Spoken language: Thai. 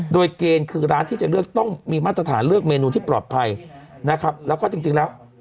โดยเกณฑ์คือร้านที่จะเลือกต้องมีมาตรฐานเลือกเมนูที่ปลอดภัยนะครับแล้วก็จริงแล้ว